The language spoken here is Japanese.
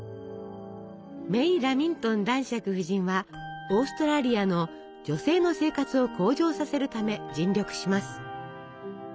メイ・ラミントン男爵夫人はオーストラリアの女性の生活を向上させるため尽力します。